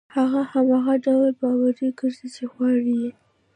هغه هماغه ډول باوري کړئ چې غواړي يې.